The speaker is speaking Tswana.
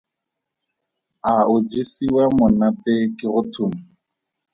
A o jesiwa monate ke go thuma?